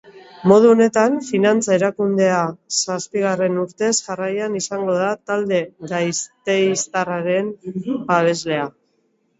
Modu honetan, finantza erakundea zazpigarren urtez jarraian izango da talde gasteiztarraren babeslea.